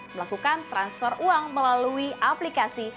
melakukan transfer uang melalui aplikasi